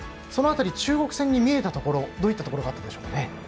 その辺り、中国戦に見えたところどういったところがあったでしょうか。